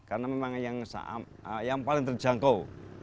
karena memang yang paling terjangkau